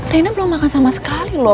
rina belum makan sama sekali loh